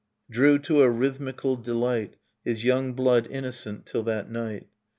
Drew to a rhythmical delight His young blood innocent till that night.